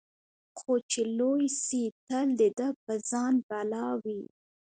خو چي لوی سي تل د ده په ځان بلاوي